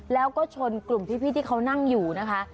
แล้วก็ชนกลุ่มพี่ที่เขานั่งอยู่นะคะ